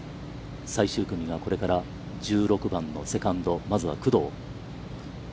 最終組がこれから１６番のセカンド、まずは、工藤。